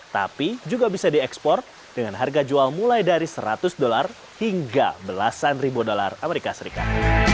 tapi juga bisa diekspor dengan harga jual mulai dari seratus dolar hingga belasan ribu dolar amerika serikat